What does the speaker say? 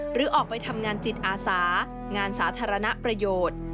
หรือออกไปทำงานจิตอาสางานสาธารณประโยชน์